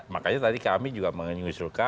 makanya tadi kami juga mengusulkan